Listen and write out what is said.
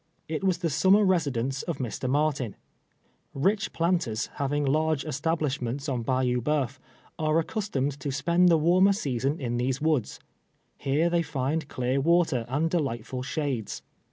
It was the summer residence of Mr. Martin. Rich planters, having large establishments on Bayou Bceuf, are accustomed to spend the warmer season in these woods. Here they find clear water and delightful shades.